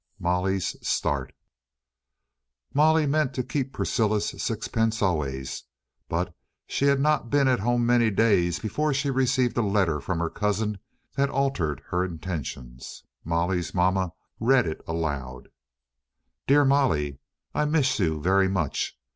Molly's Start Molly meant to keep Priscilla's sixpence always, but she had not been at home many days before she received a letter from her cousin that altered her intentions. Molly's mamma read it aloud. "DEAR MOLLY, I miss you very much.